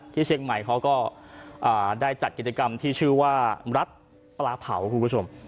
เชียงใหม่เขาก็ได้จัดกิจกรรมที่ชื่อว่ารัฐปลาเผาคุณผู้ชม